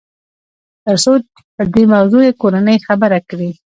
تر څو په دې موضوع يې کورنۍ خبره کړي.